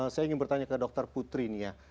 saya ingin bertanya ke dokter putri nih ya